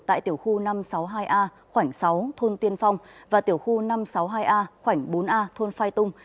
tại tiểu khu năm trăm sáu mươi hai a khoảng sáu thôn tiên phong và tiểu khu năm trăm sáu mươi hai a khoảng bốn a thôn phai tung